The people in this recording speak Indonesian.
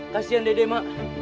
kasian dedek mak